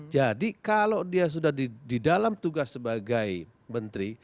kalau dia sudah di dalam tugas sebagai menteri